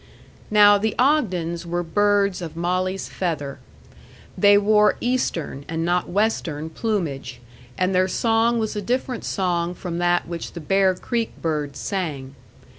Now the Ogdens were birds of Molly's feather. They wore Eastern, and not Western, plumage, and their song was a different song from that which the Bear Creek birds sang.